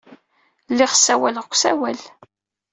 Lliɣ ssawaleɣ deg usawal.